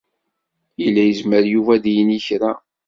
Yella yezmer Yuba ad d-yini kra.